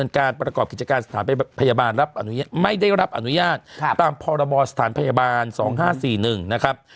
ขออนุญาตตามพบสถานพยาบาล๒๕๔๑นะครับ